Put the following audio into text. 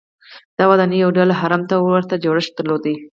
دا ودانۍ یو ډول هرم ته ورته جوړښت درلود.